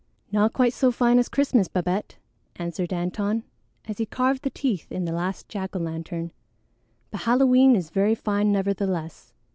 "Not quite so fine as Christmas, Babette," answered Antone, as he carved the teeth in the last jack o' lantern, "but Halloween is very fine nevertheless.